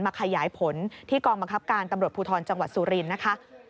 ขยายผลที่กองบังคับการตำรวจภูทรจังหวัดสุรินทร์นะคะ